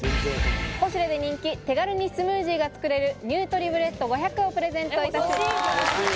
ポシュレで人気、手軽にスムージーがつくれる、ニュートリブレット５００をプレゼントいたします。